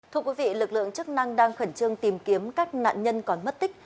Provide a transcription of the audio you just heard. thưa quý vị lực lượng chức năng đang khẩn trương tìm kiếm các nạn nhân còn mất tích